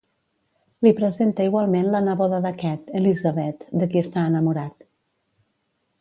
Li presenta igualment la neboda d'aquest, Elizabeth, de qui està enamorat.